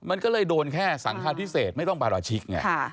มันก็เลยโดนแค่สังคาพิเศษไม่ต้องปราชิกไง